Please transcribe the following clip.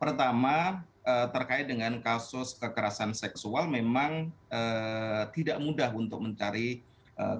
pertama terkait dengan kasus kekerasan seksual memang tidak mudah untuk mencari kata kata yang benar